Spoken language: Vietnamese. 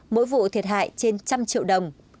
mỗi vụ thiệt hại trên một trăm linh triệu đồng